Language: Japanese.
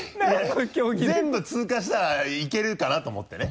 いや全部通過したらいけるかな？と思ってね。